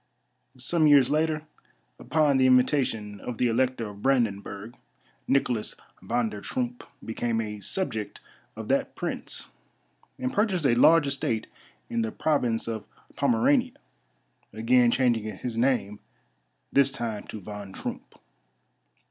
Some years later, upon the invitation of the Elector of Brandenburg, Niklas Van der Troomp became a subject of that prince, and purchased a large estate in the province of Pomerania, again changing his name, this time to Von Troomp.